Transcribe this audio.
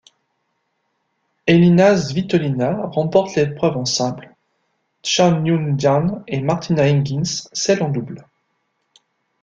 Elina Svitolina remporte l'épreuve en simple, Chan Yung-Jan et Martina Hingis celle en double.